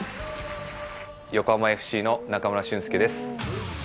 横浜ＦＣの中村俊輔です。